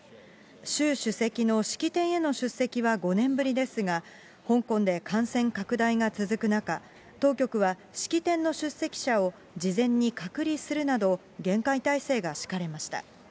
習主席の式典への出席は５年ぶりですが、香港で感染拡大が続く中、当局は式典の出席者を事前に隔離するなど、厳戒態勢が敷かれました。